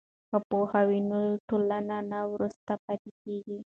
که پوهه وي نو ټولنه نه وروسته پاتې کیږي.